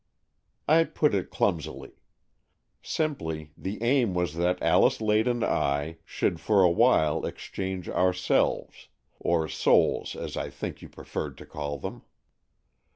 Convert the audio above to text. I put it clumsily. Simply, the aim was that Alice Lade and I should for a while ex change our selves — or souls, as I think you preferred to call them.